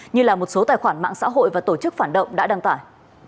như là một số tài khoản mạng xã hội và tổ chức phản động đã đăng tải